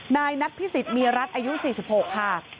นายนัทพิสิทธิมีรัฐอายุ๔๖ค่ะ